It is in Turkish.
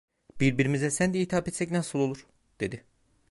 "Birbirimize sen diye hitap etsek nasıl olur?" dedi.